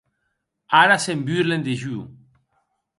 Ara se’n burlen de jo.